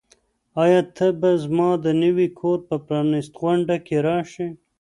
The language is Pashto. آیا ته به زما د نوي کور په پرانیستغونډه کې راشې؟